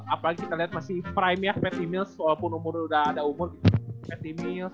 apalagi kita lihat masih prime nya patty mills walaupun umur udah ada umur patty mills